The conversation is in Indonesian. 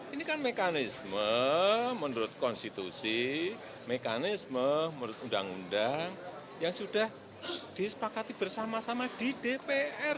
ini kan mekanisme menurut konstitusi mekanisme menurut undang undang yang sudah disepakati bersama sama di dpr